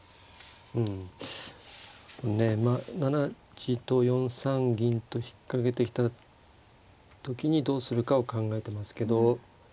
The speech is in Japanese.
うんねえ７八と４三銀と引っ掛けてきた時にどうするかを考えてますけど。